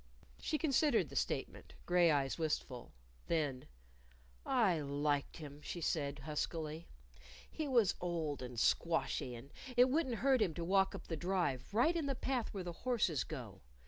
She considered the statement, gray eyes wistful. Then, "I liked him," she said huskily. "He was old and squashy, and it wouldn't hurt him to walk up the Drive, right in the path where the horses go.